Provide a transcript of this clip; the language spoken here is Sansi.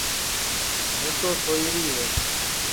ہوں تو سوئی ری ہے